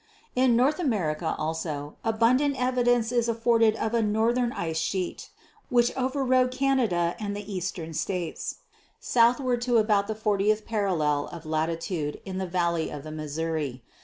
"In North America also abundant evidence is afforded of a northern ice sheet which overrode Canada and the Eastern States, southward to about the 40th parallel of latitude in the valley of the Missouri.